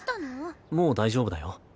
もう大丈夫だよ。